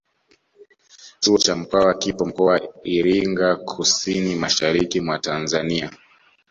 Chuo cha mkwawa kipo mkoa Iringa Kusini mashariki mwa Tanzania